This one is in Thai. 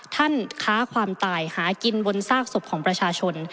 ค้าความตายหากินบนซากศพของประชาชน